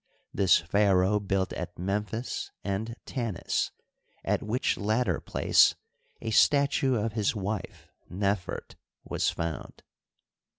This pharaoh built at Memphis and Tanis, at which latter place a statue of his wife Nefert was found.